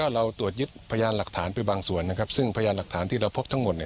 เราตรวจยึดพยานหลักฐานไปบางส่วนนะครับซึ่งพยานหลักฐานที่เราพบทั้งหมดเนี่ย